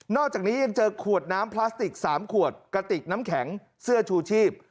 อกจากนี้ยังเจอขวดน้ำพลาสติก๓ขวดกระติกน้ำแข็งเสื้อชูชีพ